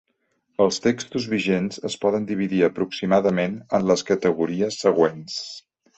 Els textos vigents es poden dividir aproximadament en les categories següents.